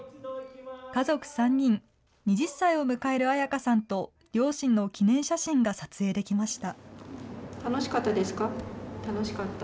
家族三人、２０歳を迎える彩花さんと両親の記念写真が撮影できました。